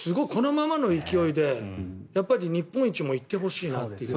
このままの勢いで日本一も行ってほしいなと。